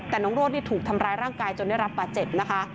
แต่น้องโรดนี่ถูกทำร้ายร่างกายจนได้รับบาดเจ็บนะคะ